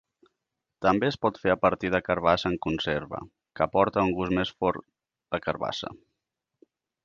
També es pot fer a partir de carbassa en conserva, que aporta un gust més fort de carbassa.